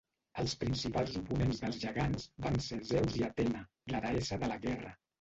Els principals oponents dels gegants van ser Zeus i Atena, la deessa de la guerra.